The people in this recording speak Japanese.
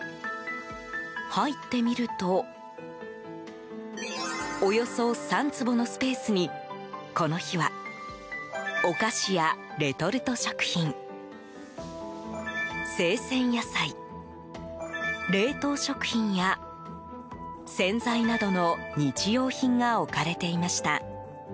入ってみるとおよそ３坪のスペースにこの日はお菓子やレトルト食品生鮮野菜、冷凍食品や洗剤などの日用品が置かれていました。